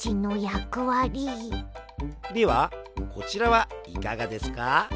ではこちらはいかがですか？